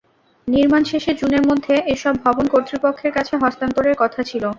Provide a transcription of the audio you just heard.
নির্মাণ শেষে জুনের মধ্যে এসব ভবন কর্তৃপক্ষের কাছে হস্তান্তরের কথা ছিল।